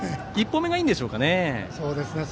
１歩目がいいんでしょうかね。